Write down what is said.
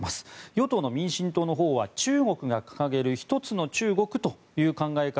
与党の民進党のほうは中国が掲げる一つの中国という考え方